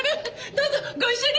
どうぞご一緒に。